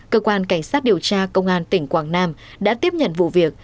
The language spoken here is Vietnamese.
cơ quan cảnh sát điều tra công an tỉnh quảng nam đã tiếp nhận vụ việc